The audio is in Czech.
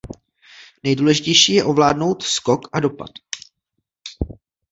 Nejdůležitější je ovládnout skok a dopad.